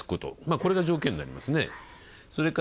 これが条件になります。